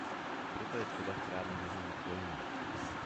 Proto je třeba správně vymezit pojmy.